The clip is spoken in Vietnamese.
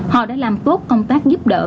họ đã làm tốt công tác giúp đỡ